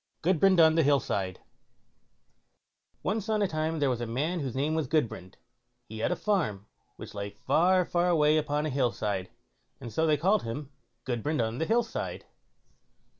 GUDBRAND ON THE HILL SIDE Once on a time there was a man whose name was Gudbrand; he had a farm which lay far, far away upon a hill side, and so they called him Gudbrand on the Hill side.